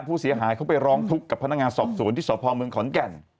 ผู้เสียหายเขาไปร้องทุกข์กับพนักงานสอบสวนที่สพเมืองขอนแก่น